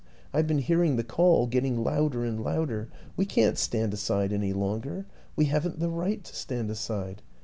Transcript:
I've been hearing the call getting louder and louder; we can't stand aside any longer, we haven't the right to stand aside.